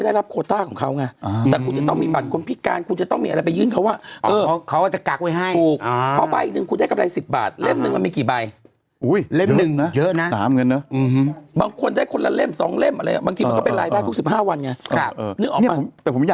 เพราะว่าการคนพิการคุณจะต้องมีอะไรไปยืนเช่นเขาว่า